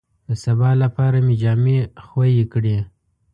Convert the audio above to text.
د سبا لپاره مې جامې خوې کړې.